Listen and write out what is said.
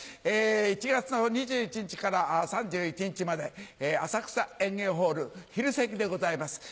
１月２１日から３１日まで浅草演芸ホール昼席でございます。